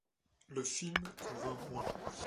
Le film convainc moins.